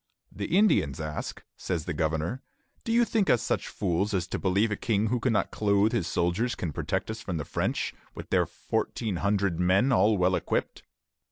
"The Indians ask," says the governor, "'Do you think us such fools as to believe that a king who cannot clothe his soldiers can protect us from the French, with their fourteen hundred men all well equipped?'"